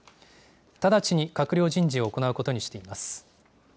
直ちに閣僚人事を行うことにしています。